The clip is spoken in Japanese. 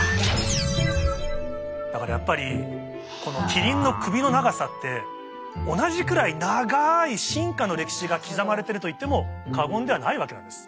だからやっぱりこのキリンの首の長さって同じくらいと言っても過言ではないわけなんです。